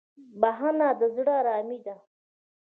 بخښنه د زړه ارامي ده.